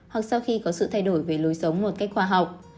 hoặc sau khi có sự thay đổi về lối sống một cách khoa học